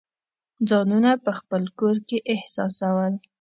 ځانونه په خپل کور کې احساسول.